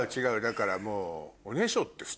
だからもう。